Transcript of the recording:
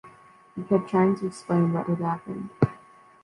He kept trying to explain what had happened.